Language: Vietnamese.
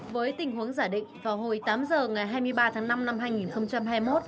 với tình huống giả định vào hồi tám giờ ngày hai mươi ba tháng năm năm hai nghìn hai mươi một